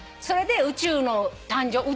それで宇宙の誕生